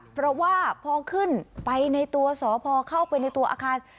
เพราะว่าพอขึ้นไปในตัวสพเข้าไปในตัวอาคาร